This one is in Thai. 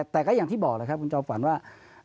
แต่ก็อย่างที่บอกแล้วครับคุณจอมฝันว่า